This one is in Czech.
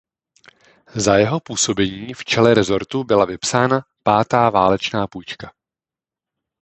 Za jeho působení v čele rezortu byla vypsána pátá válečná půjčka.